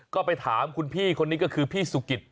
ก็ไปถามคุณพี่คนนี้ก็คือพี่สุกิต